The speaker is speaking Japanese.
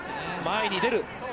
前に出る。